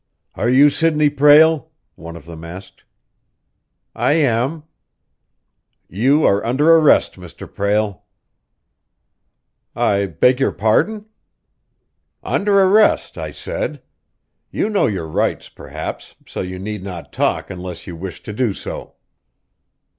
"Are you Sidney Prale?" one of them asked. "I am." "You are under arrest, Mr. Prale." "I beg your pardon?" "Under arrest," I said. "You know your rights, perhaps, so you need not talk unless you wish to do so."